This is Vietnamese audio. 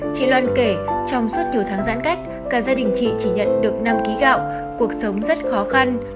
chị loan kể trong suốt nhiều tháng giãn cách cả gia đình chị chỉ nhận được năm ký gạo cuộc sống rất khó khăn